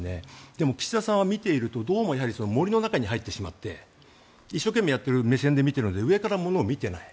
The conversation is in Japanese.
でも、岸田さんは見ているとどうも森の中に入ってしまって一生懸命やっている目線で見ているので上から物を見ていない。